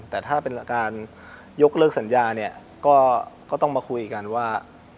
แต่ถ้าเป็นการยกเลิกสัญญาเนี่ยก็ต้องมาคุยกันว่า